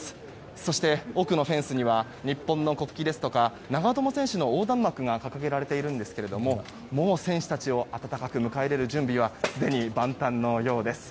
そして、奥のフェンスには日本の国旗ですとか長友選手の横断幕が掲げられているんですがもう選手たちを温かく迎え入れる準備はすでに万端のようです。